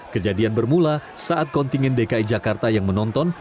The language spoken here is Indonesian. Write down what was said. kejadian bermula saat kontingen dki jakarta yang menonton